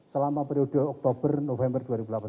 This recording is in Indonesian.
selama periode oktober november dua ribu delapan belas